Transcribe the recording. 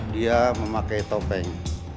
dia memakai topeng